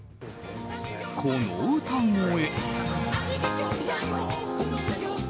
この歌声。